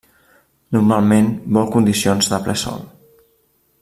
Normalment vol condicions de ple sol.